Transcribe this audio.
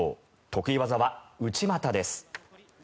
得意技は内股です。